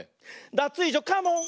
ダツイージョカモン！